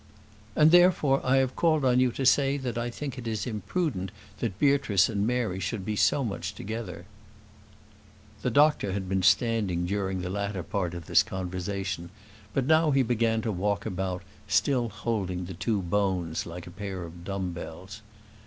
"And, therefore, I have called on you to say that I think it is imprudent that Beatrice and Mary should be so much together." The doctor had been standing during the latter part of this conversation, but now he began to walk about, still holding the two bones like a pair of dumb bells.